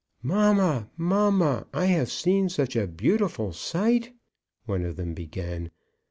"Mamma, mamma, I have seen such a beautiful sight!" one of them began.